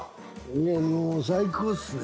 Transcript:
いやもう最高っすね。